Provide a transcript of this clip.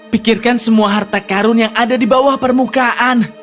pikirkan semua harta karun yang ada di bawah permukaan